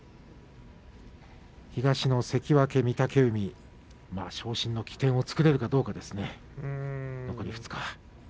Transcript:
東の関脇御嶽海昇進の起点を作れるかどうかですね、残り２日。